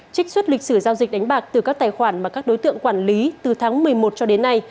trích xuất lịch sử giao dịch đánh bạc từ các tài khoản mà các đối tượng quản lý từ tháng một mươi một cho đến nay